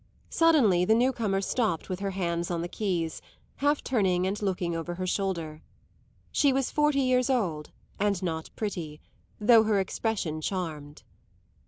Suddenly the new comer stopped with her hands on the keys, half turning and looking over her shoulder. She was forty years old and not pretty, though her expression charmed.